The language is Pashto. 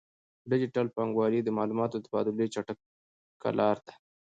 ډیجیټل بانکوالي د معلوماتو د تبادلې چټکه لاره ده.